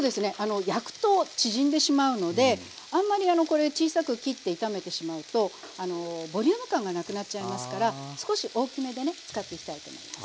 焼くと縮んでしまうのであんまりこれ小さく切って炒めてしまうとボリューム感がなくなっちゃいますから少し大きめでね使っていきたいと思います。